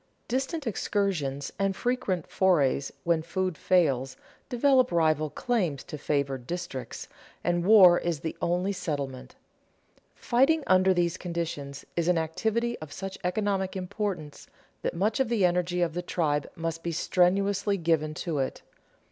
Distant excursions and frequent forays, when food fails, develop rival claims to favored districts, and war is the only settlement. Fighting under these conditions is an activity of such economic importance that much of the energy of the tribe must be strenuously given to it.